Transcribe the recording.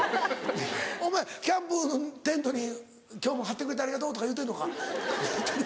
お前キャンプのテントに「今日も張ってくれてありがとう」とか言うてるのか？